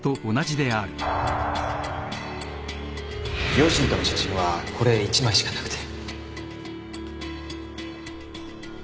両親との写真はこれ１枚しかなくて